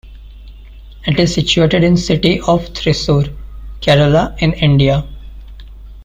It is situated in City of Thrissur, Kerala in India.